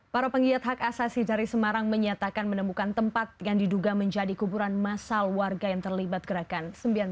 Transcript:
para penggiat hak asasi dari semarang menyatakan menemukan tempat yang diduga menjadi kuburan masal warga yang terlibat gerakan seribu sembilan ratus sembilan puluh